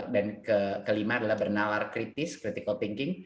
dan kelima adalah bernalar kritis critical thinking